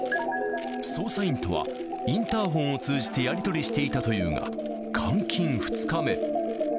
捜査員とはインターホンを通じてやり取りしていたというが、監禁２日目。